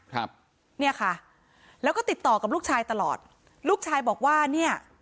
ครับเนี่ยค่ะแล้วก็ติดต่อกับลูกชายตลอดลูกชายบอกว่าเนี่ย